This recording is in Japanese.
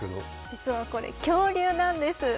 実はこれ、恐竜なんです。